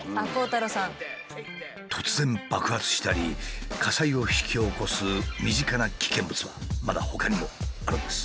突然爆発したり火災を引き起こす身近な危険物はまだほかにもあるんです。